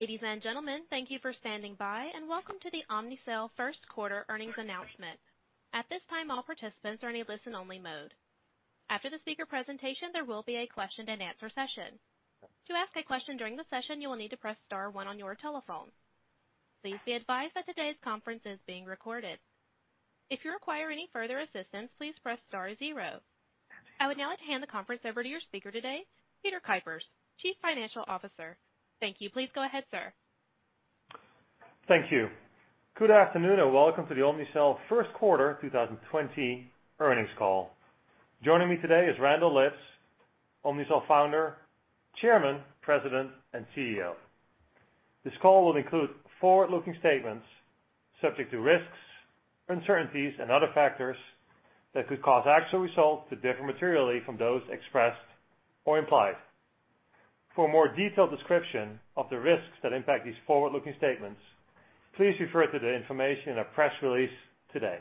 Ladies and gentlemen, thank you for standing by, and welcome to the Omnicell first quarter earnings announcement. At this time, all participants are in a listen-only mode. After the speaker presentation, there will be a question and answer session. To ask a question during the session, you will need to press star one on your telephone. Please be advised that today's conference is being recorded. If you require any further assistance, please press star zero. I would now like to hand the conference over to your speaker today, Peter Kuipers, Chief Financial Officer. Thank you. Please go ahead, sir. Thank you. Good afternoon, and welcome to the Omnicell First Quarter 2020 Earnings Call. Joining me today is Randall Lipps, Omnicell Founder, Chairman, President, and CEO. This call will include forward-looking statements subject to risks, uncertainties, and other factors that could cause actual results to differ materially from those expressed or implied. For a more detailed description of the risks that impact these forward-looking statements, please refer to the information in our press release today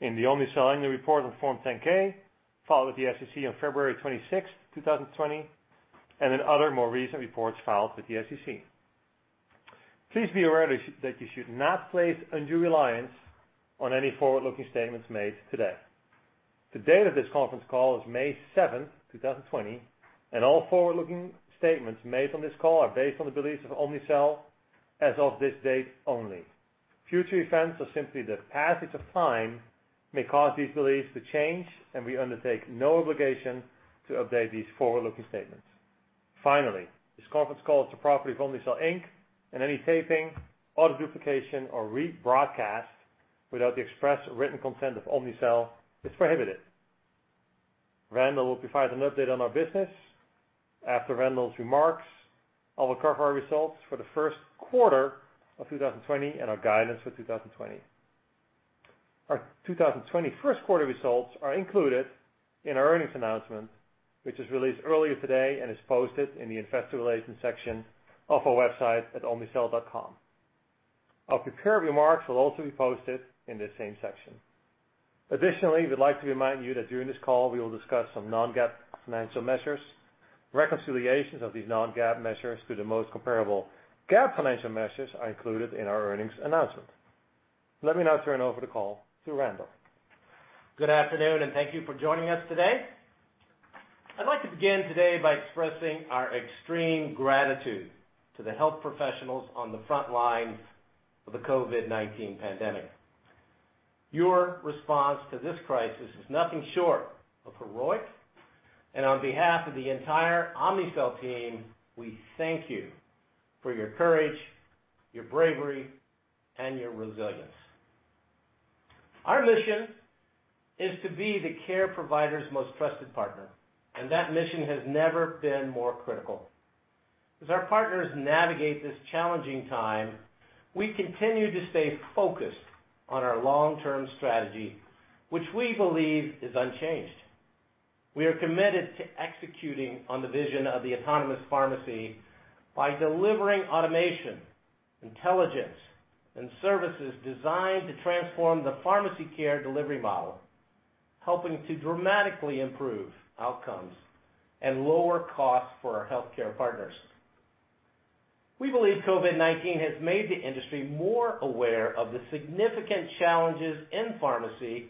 in the Omnicell annual report on Form 10-K, filed with the SEC on February 26, 2020, and in other more recent reports filed with the SEC. Please be aware that you should not place undue reliance on any forward-looking statements made today. The date of this conference call is May 7, 2020, and all forward-looking statements made on this call are based on the beliefs of Omnicell as of this date only. Future events or simply the passage of time may cause these beliefs to change, and we undertake no obligation to update these forward-looking statements. Finally, this conference call is the property of Omnicell Inc., and any taping, audio duplication, or rebroadcast without the express written consent of Omnicell is prohibited. Randall will provide an update on our business. After Randall's remarks, I will cover our results for the first quarter of 2020 and our guidance for 2020. Our 2020 first quarter results are included in our earnings announcement, which was released earlier today and is posted in the investor relations section of our website at omnicell.com. A prepared remarks will also be posted in the same section. Additionally, we'd like to remind you that during this call, we will discuss some non-GAAP financial measures. Reconciliations of these non-GAAP measures to the most comparable GAAP financial measures are included in our earnings announcement. Let me now turn over the call to Randall. Good afternoon, and thank you for joining us today. I'd like to begin today by expressing our extreme gratitude to the health professionals on the front lines of the COVID-19 pandemic. Your response to this crisis is nothing short of heroic. On behalf of the entire Omnicell team, we thank you for your courage, your bravery, and your resilience. Our mission is to be the care provider's most trusted partner, and that mission has never been more critical. As our partners navigate this challenging time, we continue to stay focused on our long-term strategy, which we believe is unchanged. We are committed to executing on the vision of the Autonomous Pharmacy by delivering automation, intelligence, and services designed to transform the pharmacy care delivery model, helping to dramatically improve outcomes and lower costs for our healthcare partners. We believe COVID-19 has made the industry more aware of the significant challenges in pharmacy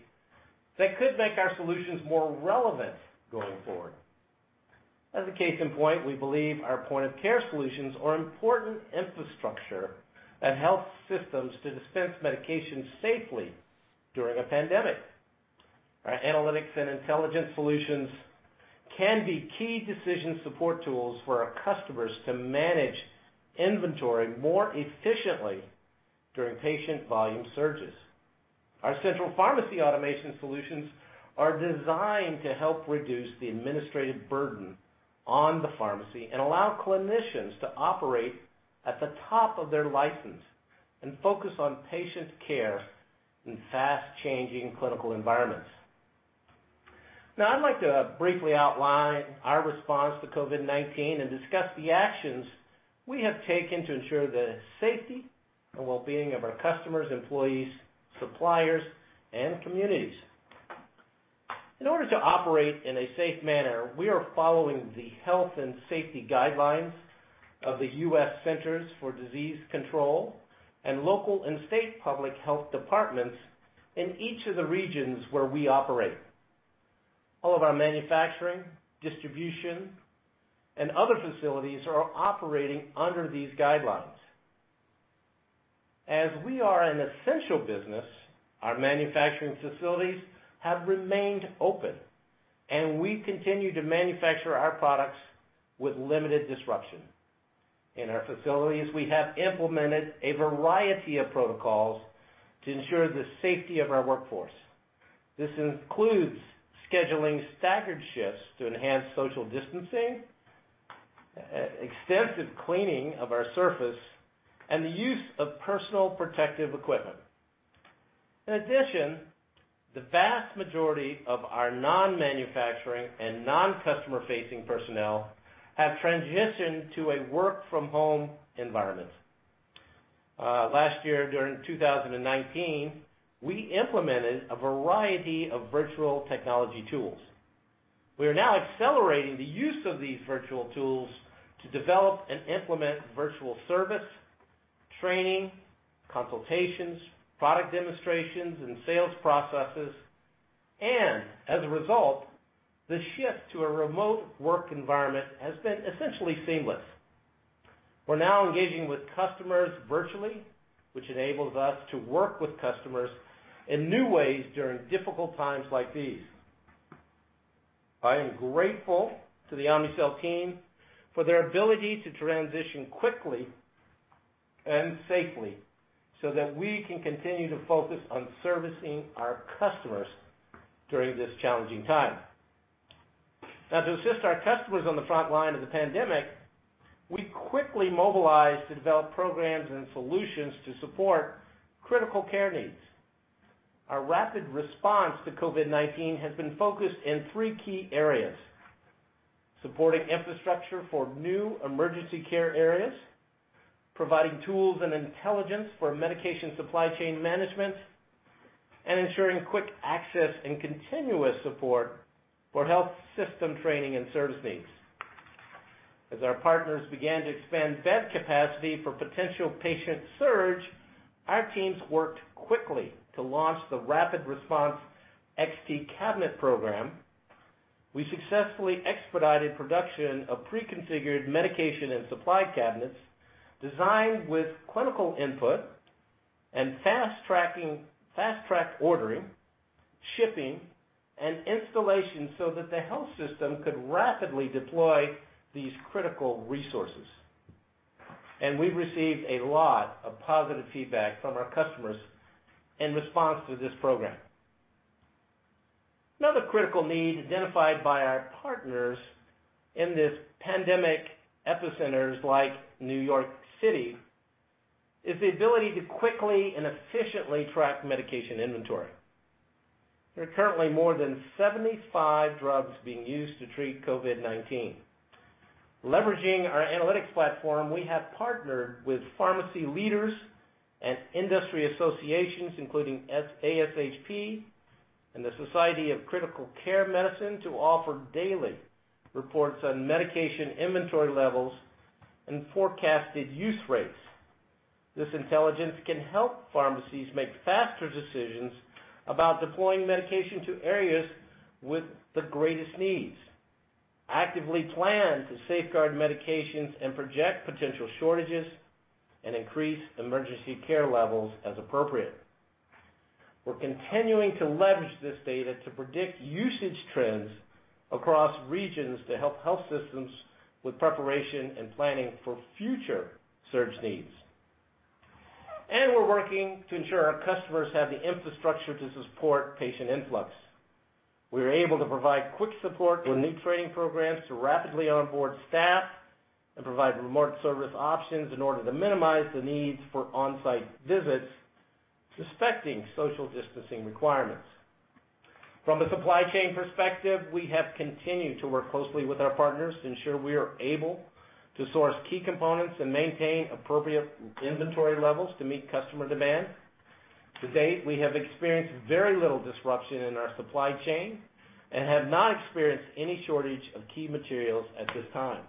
that could make our solutions more relevant going forward. As a case in point, we believe our point-of-care solutions are important infrastructure and health systems to dispense medications safely during a pandemic. Our analytics and intelligence solutions can be key decision support tools for our customers to manage inventory more efficiently during patient volume surges. Our central pharmacy automation solutions are designed to help reduce the administrative burden on the pharmacy and allow clinicians to operate at the top of their license and focus on patient care in fast-changing clinical environments. I'd like to briefly outline our response to COVID-19 and discuss the actions we have taken to ensure the safety and well-being of our customers, employees, suppliers, and communities. In order to operate in a safe manner, we are following the health and safety guidelines of the U.S. Centers for Disease Control and local and state public health departments in each of the regions where we operate. All of our manufacturing, distribution, and other facilities are operating under these guidelines. As we are an essential business, our manufacturing facilities have remained open, and we continue to manufacture our products with limited disruption. In our facilities, we have implemented a variety of protocols to ensure the safety of our workforce. This includes scheduling staggered shifts to enhance social distancing, extensive cleaning of our surface, and the use of personal protective equipment. In addition, the vast majority of our non-manufacturing and non-customer-facing personnel have transitioned to a work-from-home environment. Last year, during 2019, we implemented a variety of virtual technology tools. We are now accelerating the use of these virtual tools to develop and implement virtual service, training, consultations, product demonstrations, and sales processes, and as a result, the shift to a remote work environment has been essentially seamless. We're now engaging with customers virtually, which enables us to work with customers in new ways during difficult times like these. I am grateful to the Omnicell team for their ability to transition quickly and safely so that we can continue to focus on servicing our customers during this challenging time. To assist our customers on the front line of the pandemic, we quickly mobilized to develop programs and solutions to support critical care needs. Our rapid response to COVID-19 has been focused in three key areas. Supporting infrastructure for new emergency care areas, providing tools and intelligence for medication supply chain management, and ensuring quick access and continuous support for health system training and service needs. As our partners began to expand bed capacity for potential patient surge, our teams worked quickly to launch the Rapid Response XT Cabinet program. We successfully expedited production of pre-configured medication and supply cabinets designed with clinical input and fast-tracked ordering, shipping, and installation so that the health system could rapidly deploy these critical resources. We've received a lot of positive feedback from our customers in response to this program. Another critical need identified by our partners in this pandemic epicenters like New York City, is the ability to quickly and efficiently track medication inventory. There are currently more than 75 drugs being used to treat COVID-19. Leveraging our analytics platform, we have partnered with pharmacy leaders and industry associations, including ASHP and the Society of Critical Care Medicine, to offer daily reports on medication inventory levels and forecasted use rates. This intelligence can help pharmacies make faster decisions about deploying medication to areas with the greatest needs, actively plan to safeguard medications and project potential shortages, and increase emergency care levels as appropriate. We're continuing to leverage this data to predict usage trends across regions to help health systems with preparation and planning for future surge needs. We're working to ensure our customers have the infrastructure to support patient influx. We are able to provide quick support with new training programs to rapidly onboard staff and provide remote service options in order to minimize the needs for on-site visits, respecting social distancing requirements. From a supply chain perspective, we have continued to work closely with our partners to ensure we are able to source key components and maintain appropriate inventory levels to meet customer demand. To date, we have experienced very little disruption in our supply chain and have not experienced any shortage of key materials at this time.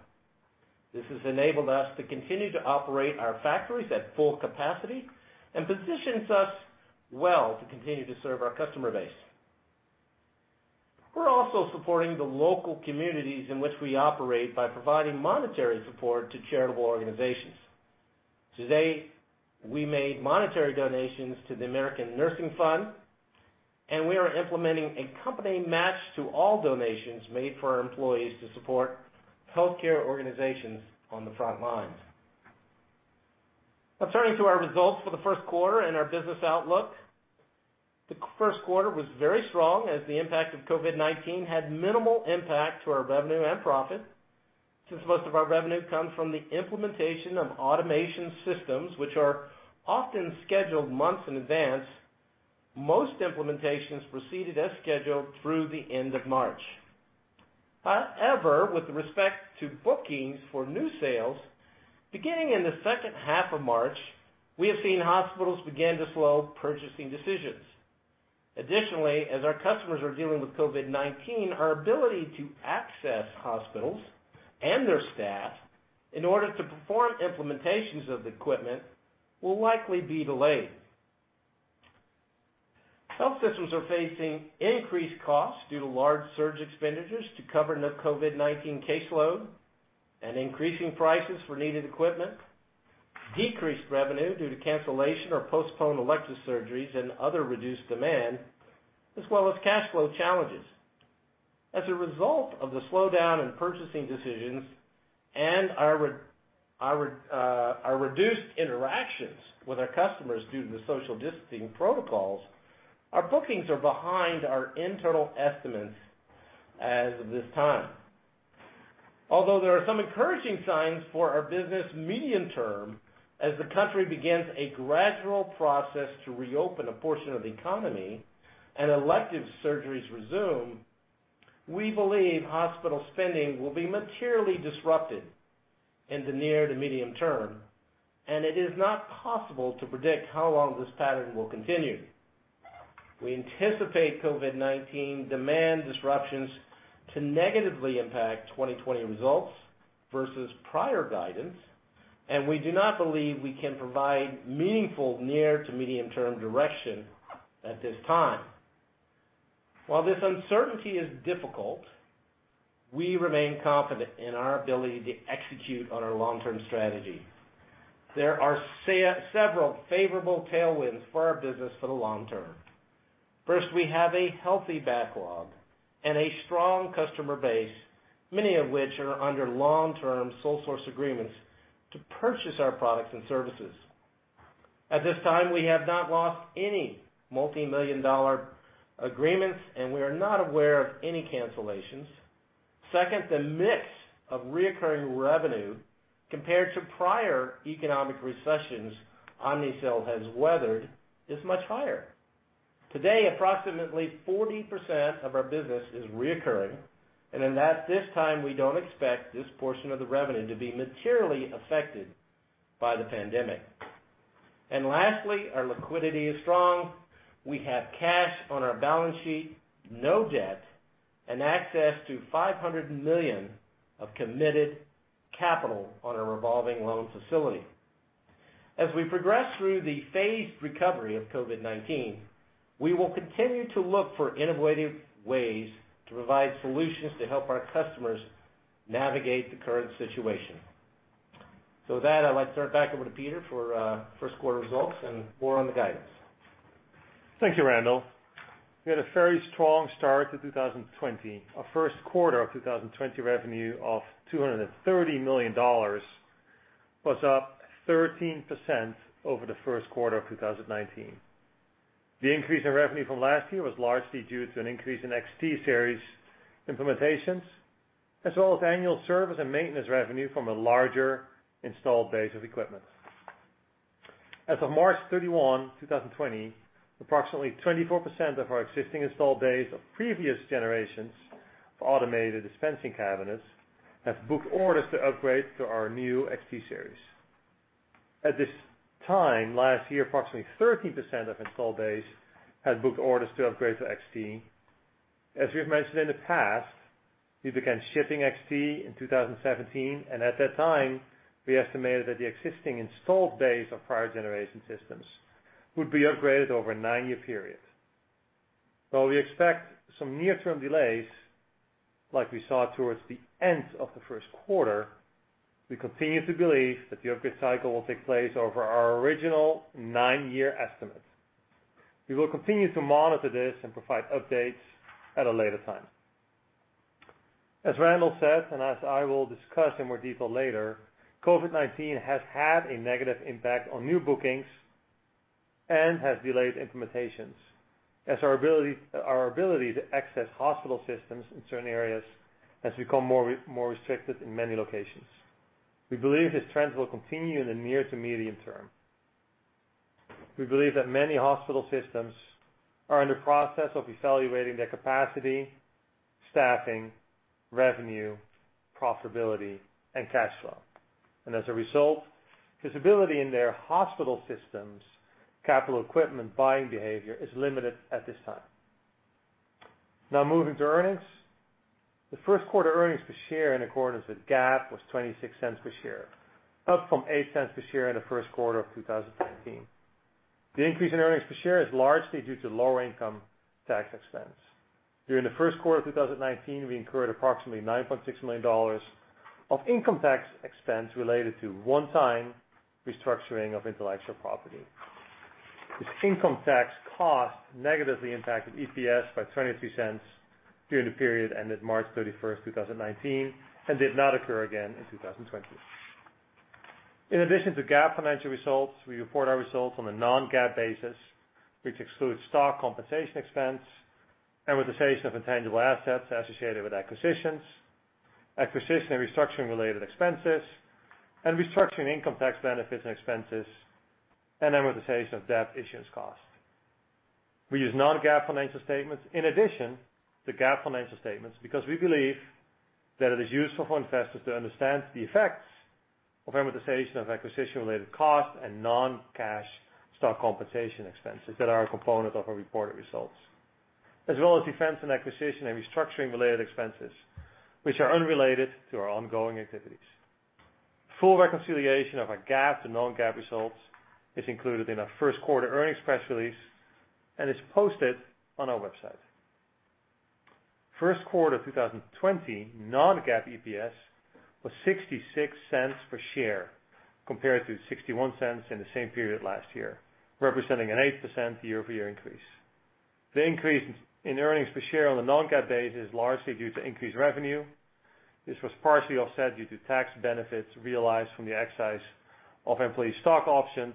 This has enabled us to continue to operate our factories at full capacity and positions us well to continue to serve our customer base. We're also supporting the local communities in which we operate by providing monetary support to charitable organizations. To date, we made monetary donations to the American Nurses Foundation and we are implementing a company match to all donations made for our employees to support healthcare organizations on the front lines. Now turning to our results for the first quarter and our business outlook. The first quarter was very strong as the impact of COVID-19 had minimal impact to our revenue and profit. Since most of our revenue comes from the implementation of automation systems, which are often scheduled months in advance, most implementations proceeded as scheduled through the end of March. With respect to bookings for new sales, beginning in the second half of March, we have seen hospitals begin to slow purchasing decisions. As our customers are dealing with COVID-19, our ability to access hospitals and their staff in order to perform implementations of the equipment will likely be delayed. Health systems are facing increased costs due to large surge expenditures to cover the COVID-19 caseload and increasing prices for needed equipment, decreased revenue due to cancellation or postponed elective surgeries and other reduced demand, as well as cash flow challenges. As a result of the slowdown in purchasing decisions and our reduced interactions with our customers due to the social distancing protocols, our bookings are behind our internal estimates as of this time. Although there are some encouraging signs for our business medium-term as the country begins a gradual process to reopen a portion of the economy and elective surgeries resume. We believe hospital spending will be materially disrupted in the near to medium term, and it is not possible to predict how long this pattern will continue. We anticipate COVID-19 demand disruptions to negatively impact 2020 results versus prior guidance, and we do not believe we can provide meaningful near to medium term direction at this time. While this uncertainty is difficult, we remain confident in our ability to execute on our long-term strategy. There are several favorable tailwinds for our business for the long term. First, we have a healthy backlog and a strong customer base, many of which are under long-term sole source agreements to purchase our products and services. At this time, we have not lost any multimillion-dollar agreements, and we are not aware of any cancellations. Second, the mix of reoccurring revenue compared to prior economic recessions Omnicell has weathered is much higher. Today, approximately 40% of our business is reoccurring, and at this time, we don't expect this portion of the revenue to be materially affected by the pandemic. Lastly, our liquidity is strong. We have cash on our balance sheet, no debt, and access to $500 million of committed capital on a revolving loan facility. As we progress through the phased recovery of COVID-19, we will continue to look for innovative ways to provide solutions to help our customers navigate the current situation. With that, I'd like to turn it back over to Peter for first quarter results and more on the guidance. Thank you, Randall. We had a very strong start to 2020. Our first quarter of 2020 revenue of $230 million was up 13% over the first quarter of 2019. The increase in revenue from last year was largely due to an increase in XT Series implementations, as well as annual service and maintenance revenue from a larger installed base of equipment. As of March 31, 2020, approximately 24% of our existing installed base of previous generations of automated dispensing cabinets have booked orders to upgrade to our new XT Series. At this time last year, approximately 13% of installed base had booked orders to upgrade to XT. As we've mentioned in the past, we began shipping XT in 2017, and at that time, we estimated that the existing installed base of prior generation systems would be upgraded over a nine-year period. While we expect some near-term delays like we saw towards the end of the first quarter, we continue to believe that the upgrade cycle will take place over our original nine-year estimate. We will continue to monitor this and provide updates at a later time. As Randall said, and as I will discuss in more detail later, COVID-19 has had a negative impact on new bookings and has delayed implementations as our ability to access hospital systems in certain areas has become more restricted in many locations. We believe these trends will continue in the near to medium term. We believe that many hospital systems are in the process of evaluating their capacity, staffing, revenue, profitability, and cash flow. As a result, visibility in their hospital systems' capital equipment buying behavior is limited at this time. Now, moving to earnings. The first quarter earnings per share in accordance with GAAP was $0.26 per share, up from $0.08 per share in the first quarter of 2019. The increase in earnings per share is largely due to lower income tax expense. During the first quarter of 2019, we incurred approximately $9.6 million of income tax expense related to one-time restructuring of intellectual property. This income tax cost negatively impacted EPS by $0.23 during the period ended March 31, 2019, and did not occur again in 2020. In addition to GAAP financial results, we report our results on a non-GAAP basis, which excludes stock compensation expense, amortization of intangible assets associated with acquisitions, acquisition and restructuring related expenses, and restructuring income tax benefits and expenses, and amortization of debt issuance costs. We use non-GAAP financial statements in addition to GAAP financial statements because we believe that it is useful for investors to understand the effects of amortization of acquisition-related costs and non-cash stock compensation expenses that are a component of our reported results, as well as defense and acquisition and restructuring-related expenses, which are unrelated to our ongoing activities. Full reconciliation of our GAAP to non-GAAP results is included in our first quarter earnings press release and is posted on our website. First quarter 2020 non-GAAP EPS was $0.66 per share compared to $0.61 in the same period last year, representing an 8% year-over-year increase. The increase in earnings per share on the non-GAAP base is largely due to increased revenue. This was partially offset due to tax benefits realized from the exercise of employee stock options,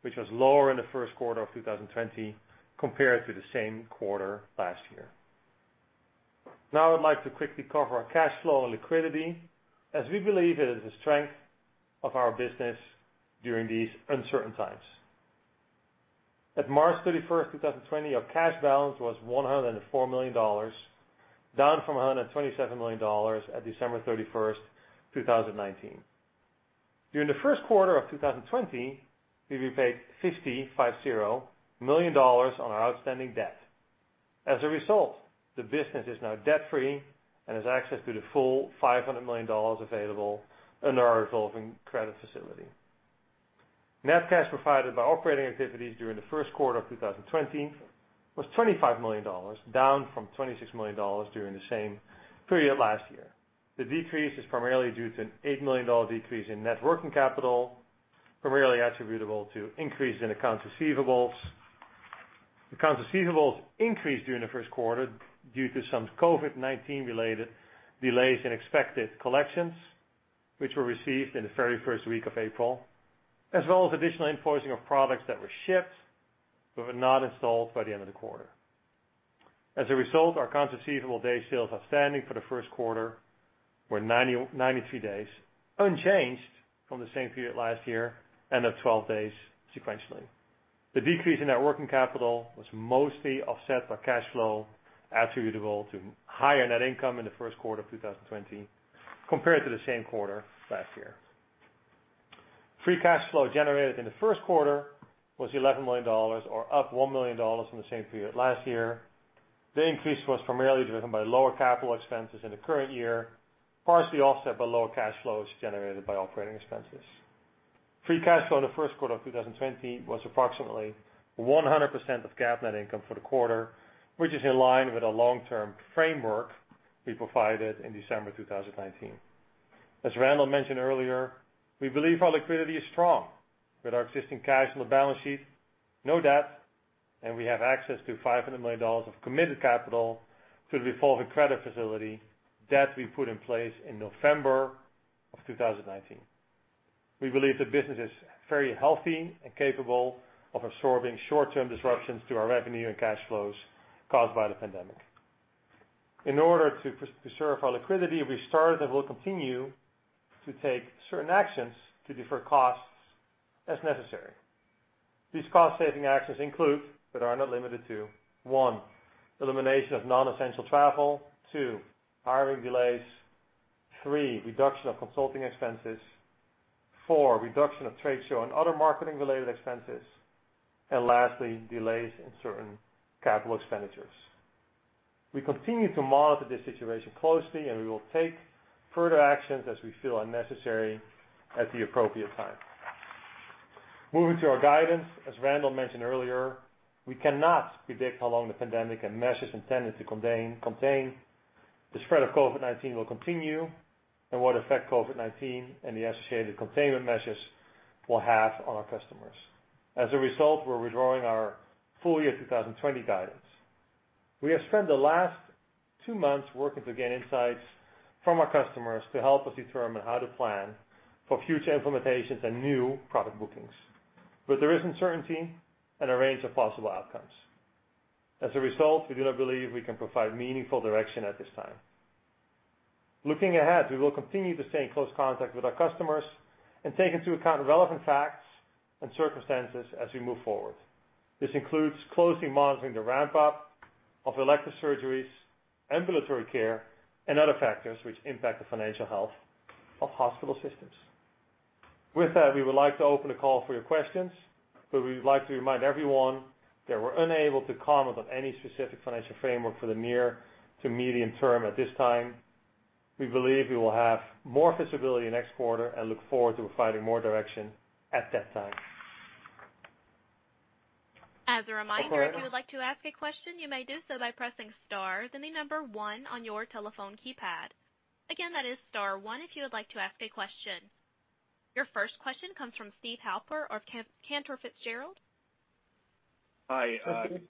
which was lower in the first quarter of 2020 compared to the same quarter last year. Now I'd like to quickly cover our cash flow and liquidity as we believe it is a strength of our business during these uncertain times. At March 31st, 2020, our cash balance was $104 million, down from $127 million at December 31st, 2019. During the first quarter of 2020, we repaid 50, five-zero, million dollars on our outstanding debt. As a result, the business is now debt-free and has access to the full $500 million available under our revolving credit facility. Net cash provided by operating activities during the first quarter of 2020 was $25 million, down from $26 million during the same period last year. The decrease is primarily due to an $8 million decrease in net working capital, primarily attributable to increase in accounts receivables. Accounts receivables increased during the first quarter due to some COVID-19-related delays in expected collections, which were received in the very first week of April, as well as additional invoicing of products that were shipped but were not installed by the end of the quarter. As a result, our accounts receivable day sales outstanding for the first quarter were 93 days, unchanged from the same period last year, and up 12 days sequentially. The decrease in net working capital was mostly offset by cash flow attributable to higher net income in the first quarter of 2020 compared to the same quarter last year. Free cash flow generated in the first quarter was $11 million, or up $1 million from the same period last year. The increase was primarily driven by lower capital expenses in the current year, partially offset by lower cash flows generated by operating expenses. Free cash flow in the first quarter of 2020 was approximately 100% of GAAP net income for the quarter, which is in line with the long-term framework we provided in December 2019. As Randall mentioned earlier, we believe our liquidity is strong with our existing cash on the balance sheet, no debt, and we have access to $500 million of committed capital through the revolving credit facility that we put in place in November of 2019. We believe the business is very healthy and capable of absorbing short-term disruptions to our revenue and cash flows caused by the pandemic. In order to preserve our liquidity, we started and will continue to take certain actions to defer costs as necessary. These cost-saving actions include, but are not limited to, one, elimination of non-essential travel, two, hiring delays, three, reduction of consulting expenses, four, reduction of trade show and other marketing-related expenses, and lastly, delays in certain capital expenditures. We continue to monitor this situation closely, and we will take further actions as we feel are necessary at the appropriate time. Moving to our guidance, as Randall mentioned earlier, we cannot predict how long the pandemic and measures intended to contain the spread of COVID-19 will continue and what effect COVID-19 and the associated containment measures will have on our customers. As a result, we're withdrawing our full-year 2020 guidance. We have spent the last two months working to gain insights from our customers to help us determine how to plan for future implementations and new product bookings. There is uncertainty and a range of possible outcomes. As a result, we do not believe we can provide meaningful direction at this time. Looking ahead, we will continue to stay in close contact with our customers and take into account relevant facts and circumstances as we move forward. This includes closely monitoring the ramp-up of elective surgeries, ambulatory care, and other factors which impact the financial health of hospital systems. With that, we would like to open the call for your questions, but we would like to remind everyone that we're unable to comment on any specific financial framework for the near to medium term at this time. We believe we will have more visibility next quarter and look forward to providing more direction at that time. As a reminder. Operator If you would like to ask a question, you may do so by pressing star then the number one on your telephone keypad. Again, that is star one if you would like to ask a question. Your first question comes from Steve Halper of Cantor Fitzgerald. Hi. Hi, Steve.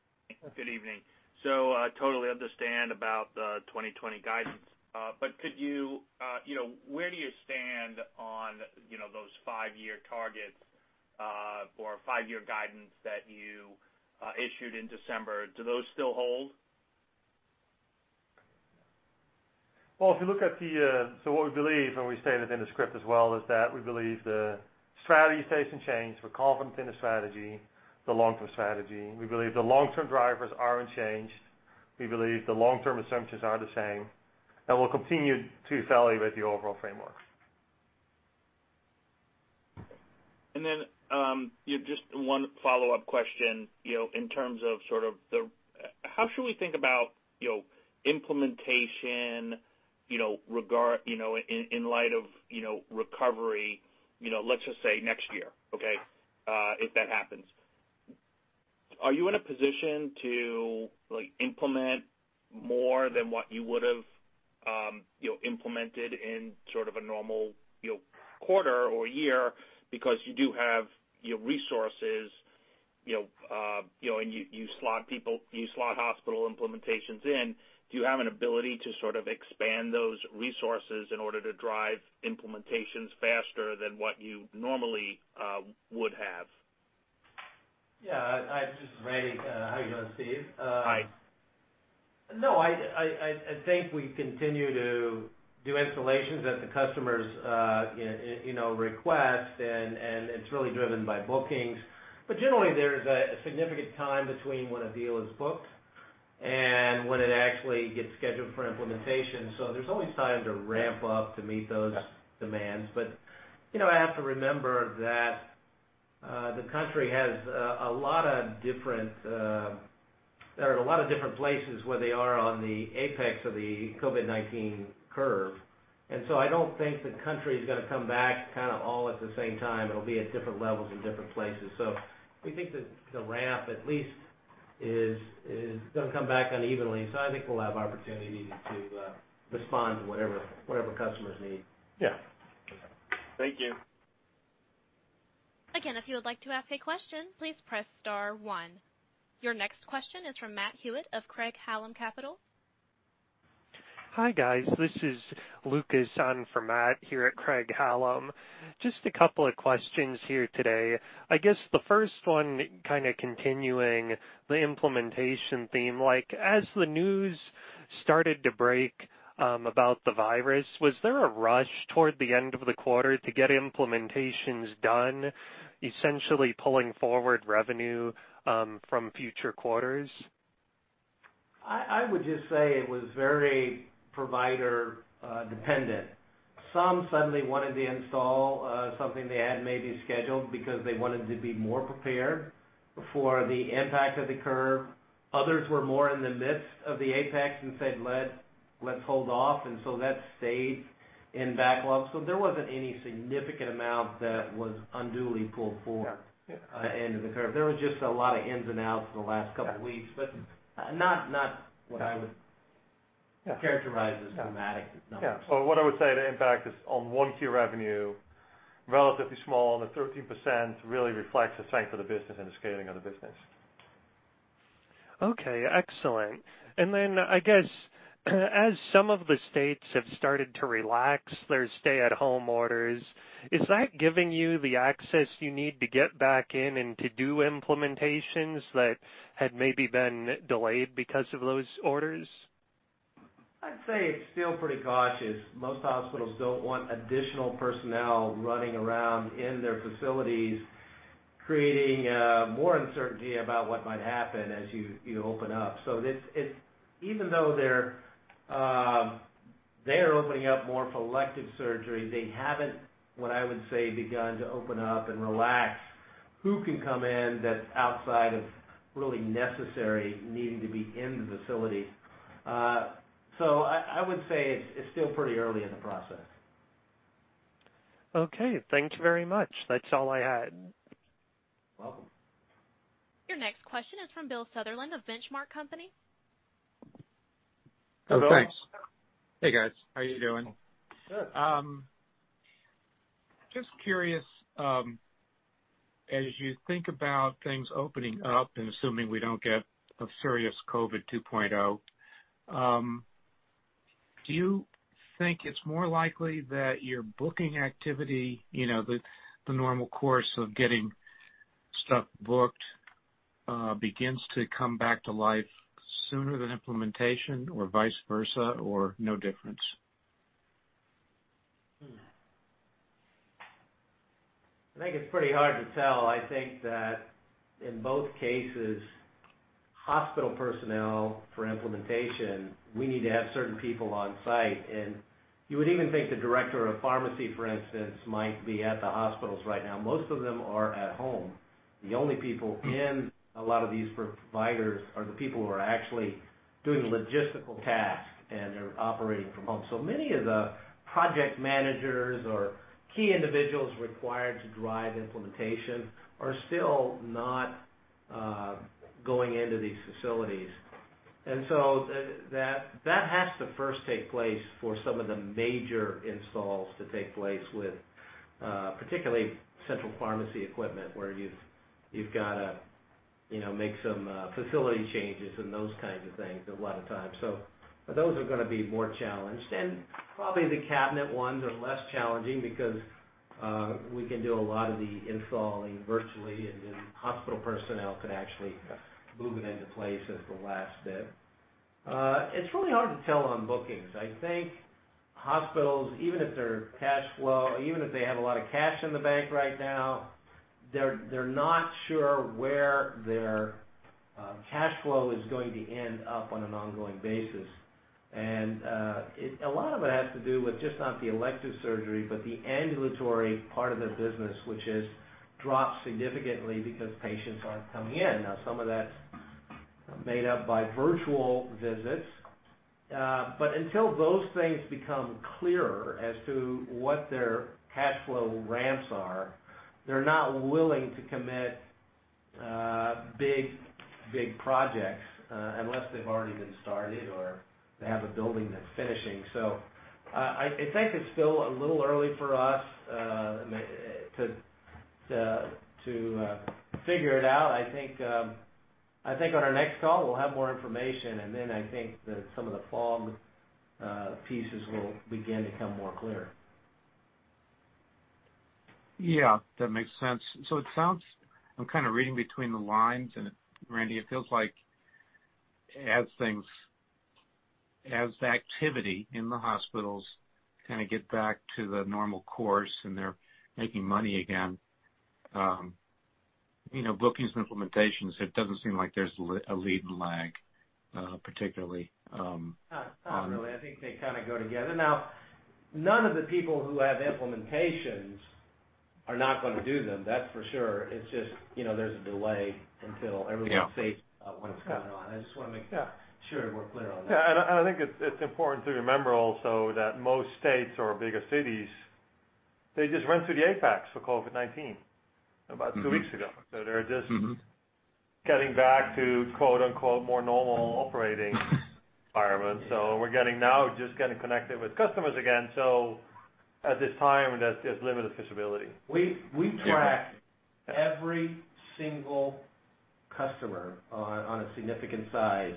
Good evening. Totally understand about the 2020 guidance. Where do you stand on those five-year targets or five-year guidance that you issued in December? Do those still hold? Well, what we believe, and we stated in the script as well, is that we believe the strategy stays unchanged. We're confident in the strategy, the long-term strategy. We believe the long-term drivers are unchanged. We believe the long-term assumptions are the same, and we'll continue to evaluate the overall framework. just one follow-up question in terms of how should we think about implementation in light of recovery, let's just say, next year, okay? If that happens. Are you in a position to implement more than what you would have implemented in sort of a normal quarter or year because you do have your resources, and you slot hospital implementations in. Do you have an ability to sort of expand those resources in order to drive implementations faster than what you normally would have? Yeah. This is Randy. How are you doing, Steve? Hi. No, I think we continue to do installations at the customer's request, and it's really driven by bookings. Generally, there's a significant time between when a deal is booked and when it actually gets scheduled for implementation. There's always time to ramp up to meet those demands. I have to remember that the country has a lot of different places where they are on the apex of the COVID-19 curve. I don't think the country's going to come back all at the same time. It'll be at different levels in different places. We think that the ramp at least is going to come back unevenly. I think we'll have opportunity to respond to whatever customers need. Yeah. Thank you. Again, if you would like to ask a question, please press star one. Your next question is from Matt Hewitt of Craig-Hallum Capital. Hi, guys. This is Lucas on for Matt here at Craig-Hallum. Just a couple of questions here today. I guess the first one kind of continuing the implementation theme, as the news started to break about the virus, was there a rush toward the end of the quarter to get implementations done, essentially pulling forward revenue from future quarters? I would just say it was very provider dependent. Some suddenly wanted to install something they had maybe scheduled because they wanted to be more prepared for the impact of the curve. Others were more in the midst of the apex and said, "Let's hold off." that stayed in backlog. there wasn't any significant amount that was unduly pulled forward end of the curve. There was just a lot of ins and outs in the last couple of weeks, but not what I would characterize as dramatic numbers. Yeah. What I would say the impact is on one key revenue, relatively small on the 13%, really reflects the strength of the business and the scaling of the business. Okay, excellent. I guess, as some of the states have started to relax their stay-at-home orders, is that giving you the access you need to get back in and to do implementations that had maybe been delayed because of those orders? I'd say it's still pretty cautious. Most hospitals don't want additional personnel running around in their facilities creating more uncertainty about what might happen as you open up. even though they're opening up more for elective surgery, they haven't, what I would say, begun to open up and relax who can come in that's outside of really necessary needing to be in the facility. I would say it's still pretty early in the process. Okay. Thank you very much. That's all I had. Welcome. Your next question is from Bill Sutherland of Benchmark Company. Bill. Oh, thanks. Hey, guys. How are you doing? Good. Just curious, as you think about things opening up and assuming we don't get a serious COVID 2.0, do you think it's more likely that your booking activity, the normal course of getting stuff booked, begins to come back to life sooner than implementation, or vice versa, or no difference? I think it's pretty hard to tell. I think that in both cases, hospital personnel for implementation, we need to have certain people on site. You would even think the director of pharmacy, for instance, might be at the hospitals right now. Most of them are at home. The only people in a lot of these providers are the people who are actually doing logistical tasks, and they're operating from home. Many of the project managers or key individuals required to drive implementation are still not going into these facilities. That has to first take place for some of the major installs to take place with particularly central pharmacy equipment, where you've got to make some facility changes and those kinds of things a lot of times. Those are going to be more challenged, and probably the cabinet ones are less challenging because we can do a lot of the installing virtually, and then hospital personnel could actually move it into place at the last bit. It's really hard to tell on bookings. I think hospitals, even if they have a lot of cash in the bank right now, they're not sure where their cash flow is going to end up on an ongoing basis. A lot of it has to do with not just the elective surgery, but the ambulatory part of the business, which has dropped significantly because patients aren't coming in. Now, some of that's made up by virtual visits. Until those things become clearer as to what their cash flow ramps are, they're not willing to commit big projects, unless they've already been started or they have a building that's finishing. I think it's still a little early for us to figure it out. I think on our next call, we'll have more information, and then I think that some of the fog pieces will begin to come more clear. Yeah, that makes sense. I'm reading between the lines, and Randy, it feels like as activity in the hospitals get back to the normal course and they're making money again, bookings and implementations, it doesn't seem like there's a lead and lag, particularly on- Not really. I think they go together. Now, none of the people who have implementations are not going to do them. That's for sure. It's just there's a delay until everyone- Yeah sees what's going on. I just want to make-sure we're clear on that. Yeah, I think it's important to remember also that most states or bigger cities, they just went through the apex for COVID-19 about two weeks ago so they're just-getting back to "more normal operating environment." We're now just getting connected with customers again. At this time, there's limited visibility. We track every single customer on a significant size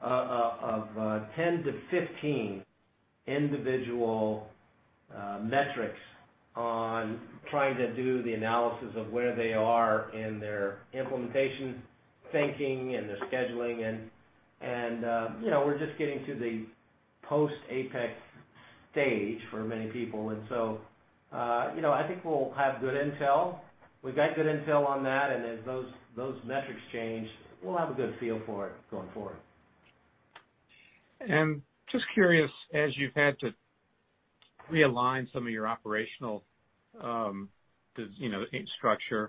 of 10 to 15 individual metrics on trying to do the analysis of where they are in their implementation thinking and their scheduling, and we're just getting to the post-apex stage for many people. I think we'll have good intel. We've got good intel on that, and as those metrics change, we'll have a good feel for it going forward. just curious, as you've had to realign some of your operational structure,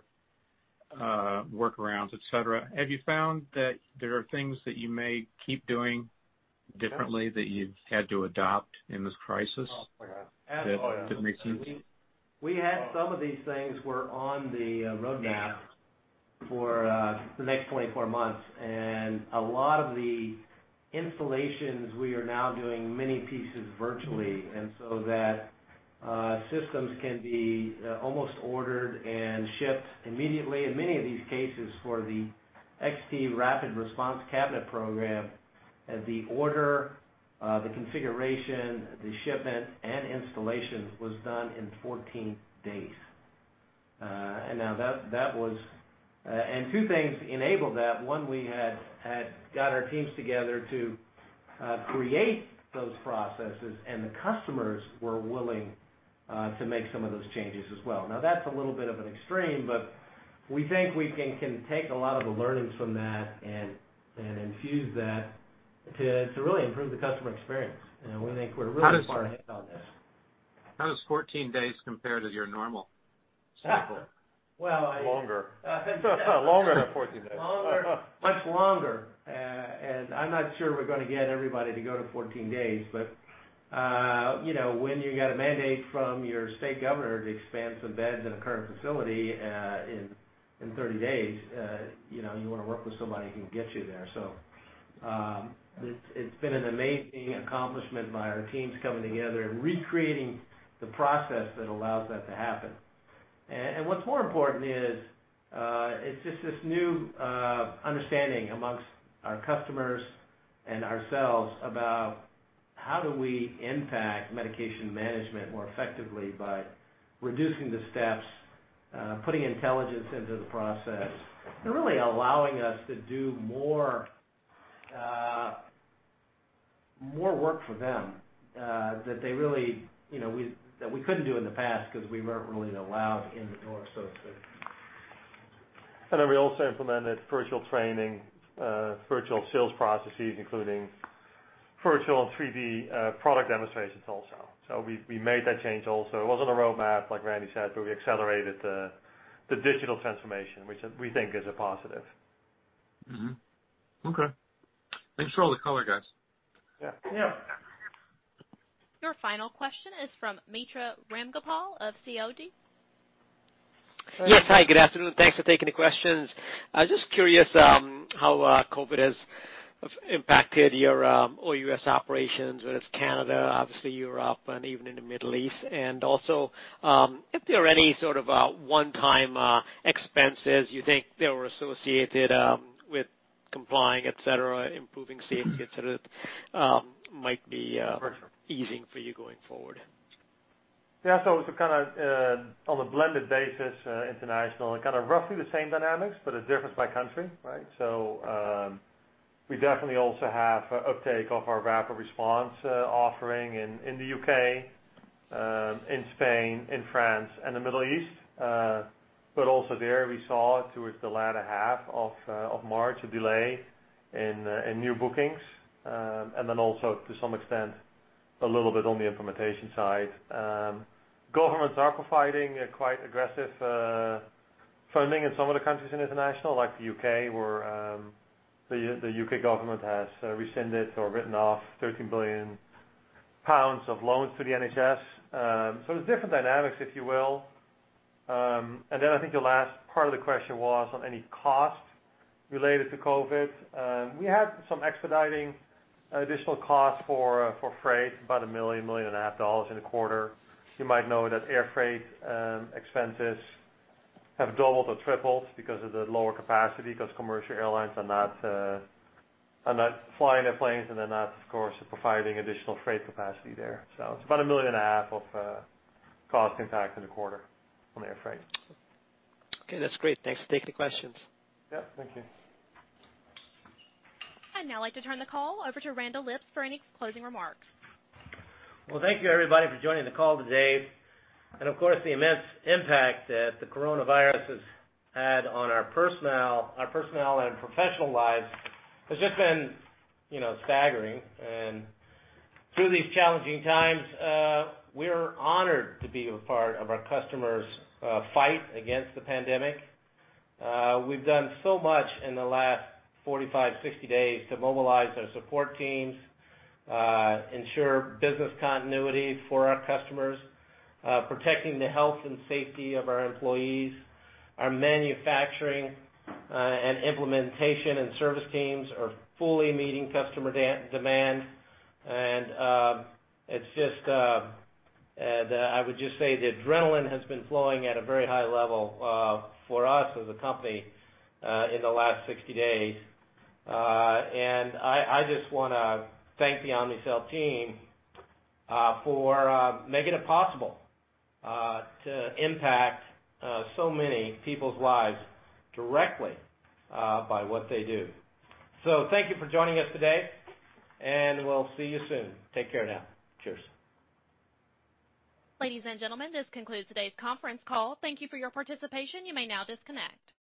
workarounds, et cetera, have you found that there are things that you may keep doing differently that you've had to adopt in this crisis? Oh, yeah. That makes sense. We had some of these things were on the roadmap for the next 24 months, and a lot of the installations, we are now doing many pieces virtually, and so that systems can be almost ordered and shipped immediately. In many of these cases for the XT Rapid Response Cabinet program, the order, the configuration, the shipment, and installation was done in 14 days. Two things enabled that. One, we had got our teams together to create those processes, and the customers were willing to make some of those changes as well. Now, that's a little bit of an extreme, but we think we can take a lot of the learnings from that and infuse that to really improve the customer experience. We think we're really far ahead on this. How does 14 days compare to your normal cycle? Well, I- Longer. Longer than 14 days. Longer. Much longer. I'm not sure we're going to get everybody to go to 14 days, but when you get a mandate from your state governor to expand some beds in a current facility in 30 days, you want to work with somebody who can get you there. it's been an amazing accomplishment by our teams coming together and recreating the process that allows that to happen. What's more important is, it's just this new understanding amongst our customers and ourselves about how do we impact medication management more effectively by reducing the steps, putting intelligence into the process, and really allowing us to do more work for them, that we couldn't do in the past because we weren't really allowed in the door. We also implemented virtual training, virtual sales processes, including virtual 3D product demonstrations also. we made that change also. It wasn't a roadmap, like Randy said, but we accelerated the digital transformation, which we think is a positive. Thanks for all the color, guys. Yeah. Yeah. Your final question is from Mitra Ramgopal of Sidoti. Go ahead. Yes. Hi, good afternoon. Thanks for taking the questions. I was just curious how COVID has impacted your OUS operations, whether it's Canada, obviously Europe, and even in the Middle East. also, if there are any sort of one-time expenses you think that were associated with complying, et cetera, improving safety, et cetera, might be- For sure easing for you going forward. Yeah. On a blended basis, international, kind of roughly the same dynamics, but it differs by country, right? We definitely also have uptake of our rapid response offering in the U.K., in Spain, in France, and the Middle East. Also there, we saw towards the latter half of March, a delay in new bookings. Also to some extent, a little bit on the implementation side. Governments are providing quite aggressive funding in some of the countries in international, like the U.K., where the U.K. government has rescinded or written off 13 billion pounds of loans to the NHS. There's different dynamics, if you will. I think the last part of the question was on any costs related to COVID. We had some expediting additional costs for freight, about $1 million-$1.5 million in a quarter. You might know that air freight expenses have doubled or tripled because of the lower capacity, because commercial airlines are not flying their planes, and they're not, of course, providing additional freight capacity there. It's about $1.5 million of cost impact in the quarter on air freight. Okay. That's great. Thanks for taking the questions. Yeah. Thank you. I'd now like to turn the call over to Randall Lipps for any closing remarks. Well, thank you everybody for joining the call today. Of course, the immense impact that the coronavirus has had on our personal and professional lives has just been staggering. Through these challenging times, we're honored to be a part of our customers' fight against the pandemic. We've done so much in the last 45-60 days to mobilize our support teams, ensure business continuity for our customers, protecting the health and safety of our employees. Our manufacturing and implementation and service teams are fully meeting customer demand. I would just say the adrenaline has been flowing at a very high level for us as a company, in the last 60 days. I just want to thank the Omnicell team for making it possible to impact so many people's lives directly by what they do. Thank you for joining us today, and we'll see you soon. Take care now. Cheers. Ladies and gentlemen, this concludes today's conference call. Thank you for your participation. You may now disconnect.